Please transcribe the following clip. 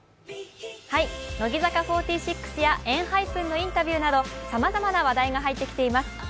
乃木坂４６やＥＮＨＹＰＥＮのインタビューなどさまざまな話題が入ってきています。